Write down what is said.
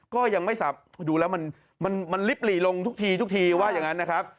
ก็ยังไม่สับดูแล้วมันลิบหลีลงทุกทีทุกทีว่าอย่างนั้นนะครับ